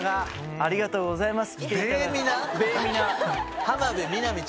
ありがとうございます。